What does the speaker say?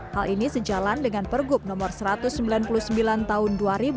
hal ini sejalan dengan pergub no satu ratus sembilan puluh sembilan tahun dua ribu dua puluh